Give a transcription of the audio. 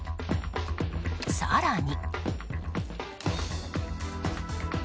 更に。